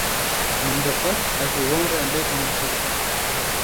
Min dixwest ez bi wan re lê temaşe bikim.